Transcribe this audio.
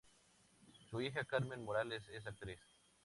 Su hija Carmen Morales es actriz.